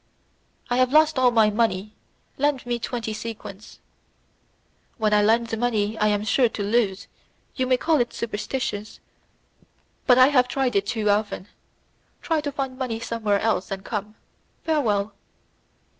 "I have lost all my money. Lend me twenty sequins." "When I lend money I am sure to lose; you may call it superstition, but I have tried it too often. Try to find money somewhere else, and come. Farewell."